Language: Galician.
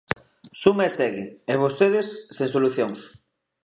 Suma e segue, e vostedes sen solucións.